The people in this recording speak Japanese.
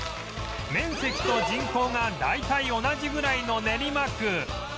面積と人口が大体同じぐらいの練馬区